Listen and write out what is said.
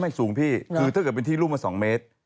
สูงพี่คือถ้าเกิดเป็นที่รุ่มมา๒เมตร